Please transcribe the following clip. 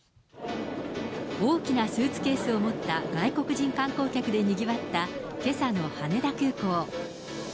大きなスーツケースを持った外国人観光客でにぎわった、けさの羽田空港。